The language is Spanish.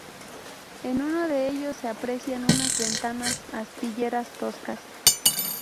En uno de ellos se aprecian unas ventanas aspilleras toscas.